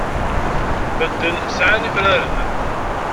Medden sɛan ifranen.